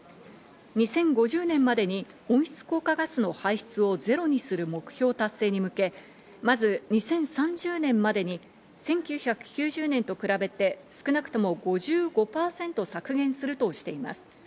２０５０年までに温室効果ガスの排出をゼロにする目標達成に向け、まず２０３０年までに１９９０年と比べて少なくとも５５％削減するとしています。